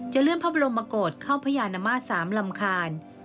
จะเลื่อนพระบรมมาโกตเข้าพระอาณามาศ๓ลำคาญ